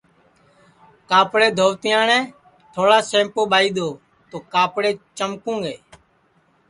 کاپڑے دھووَتے ئاٹؔیں تھوڑا سیمپُو ٻائی دؔو تو کاپڑے چمکُوں گے